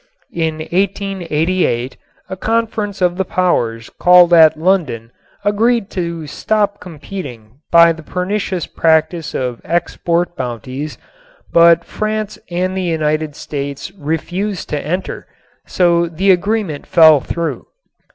In 1888 a conference of the powers called at London agreed to stop competing by the pernicious practice of export bounties, but France and the United States refused to enter, so the agreement fell through.